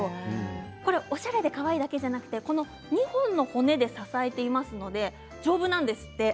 おしゃれなだけでなく２本の骨で支えていますので丈夫なんですって。